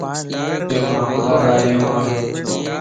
ھو مان پار آيا وا.